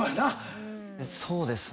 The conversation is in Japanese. そうですね。